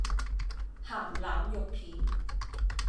咸腩肉片